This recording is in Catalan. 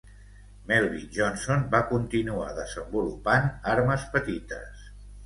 Melvin Johnson va continuar desenvolupant armes petites.